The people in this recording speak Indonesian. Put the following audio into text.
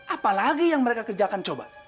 apa lagi yang mereka kerjakan coba